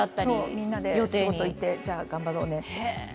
みんなで仕事行って、じゃあ頑張ろうねと。